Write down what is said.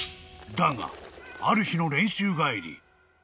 ［だがある日の練習帰り